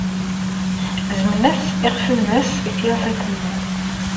Gezmen-as iɣef-nnes i tyaziḍt-nni.